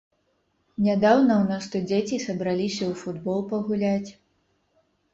Нядаўна ў нас тут дзеці сабраліся у футбол пагуляць.